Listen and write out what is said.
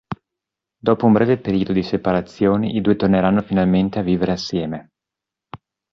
Dopo un breve periodo di separazione i due torneranno finalmente a vivere assieme.